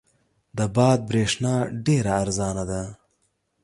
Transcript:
د باد برېښنا ډېره ارزانه ده.